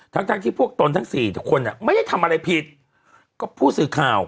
ทั้งทั้งที่พวกตนทั้งสี่ทุกคนอ่ะไม่ได้ทำอะไรผิดก็ผู้สื่อข่าว